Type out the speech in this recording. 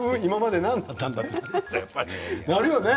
なるよね。